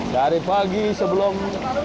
dari pagi sebelum